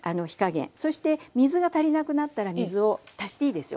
そして水が足りなくなったら水を足していいですよ。